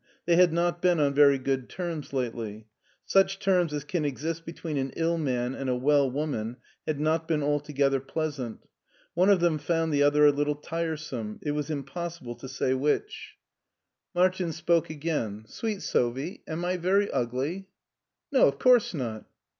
They had not been on very good terms lately. Such terms as can exist between an ill man and a well woman had not been altogether pleas ant. One of them found the other a little tiresome. It was impossible to say which. 288 MARTIN SCHULER Martin spoke again. " Sweet Sophie, am I very ugly? " No, of course not."